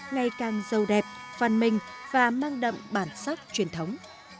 ngày càng giàu đẹp văn minh và mang đậm bản sắc truyền thống